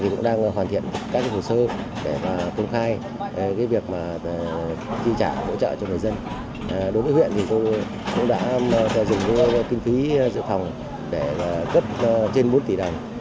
hộ chăn nuôi ở huyện thì cũng đã dùng kinh phí dự phòng để cất trên bốn tỷ đồng